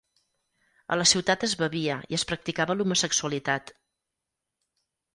A la ciutat es bevia i es practicava l'homosexualitat.